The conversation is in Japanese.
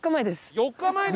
４日前に？